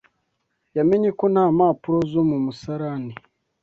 yamenye ko nta mpapuro zo mu musarani.